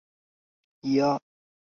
西里斯则隐含对啤酒的享受。